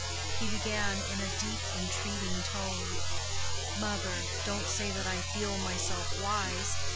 He began in a deep entreating tone: "Mother, don't say that I feel myself wise.